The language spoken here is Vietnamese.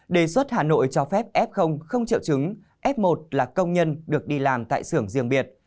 đề xuất hà nội cho phép f không triệu chứng f một là công nhân được đi làm tại xưởng riêng biệt